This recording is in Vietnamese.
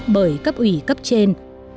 bởi cấp ủy cấp trên